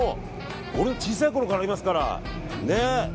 俺の小さいころからありますから。